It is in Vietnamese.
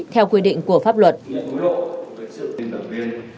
theo quy định của bộ công an